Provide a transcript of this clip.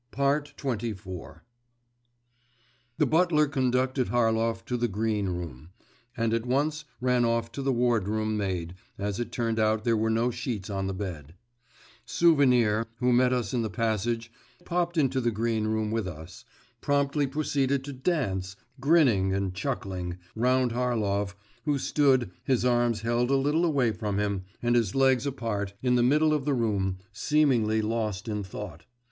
XXIV The butler conducted Harlov to the green room, and at once ran off for the wardroom maid, as it turned out there were no sheets on the bed. Souvenir, who met us in the passage, and popped into the green room with us, promptly proceeded to dance, grinning and chuckling, round Harlov, who stood, his arms held a little away from him, and his legs apart, in the middle of the room, seeming lost in thought.